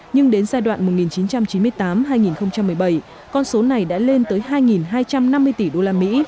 nhưng đến giai đoạn một nghìn chín trăm chín mươi tám hai nghìn một mươi bảy con số này đã lên tới hai hai trăm năm mươi tỷ usd